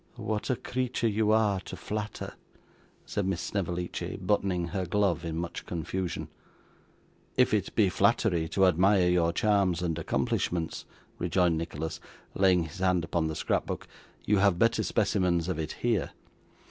'What a creature you are to flatter!' said Miss Snevellicci, buttoning her glove in much confusion. 'If it be flattery to admire your charms and accomplishments,' rejoined Nicholas, laying his hand upon the scrapbook, 'you have better specimens of it here.